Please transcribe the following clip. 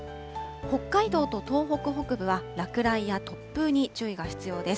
北海道と東北北部は、落雷や突風に注意が必要です。